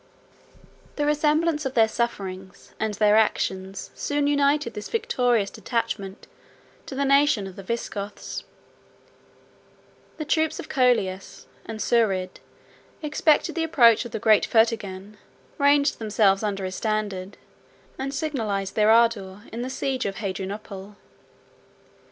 The resemblance of their sufferings and their actions soon united this victorious detachment to the nation of the Visigoths; the troops of Colias and Suerid expected the approach of the great Fritigern, ranged themselves under his standard, and signalized their ardor in the siege of Hadrianople.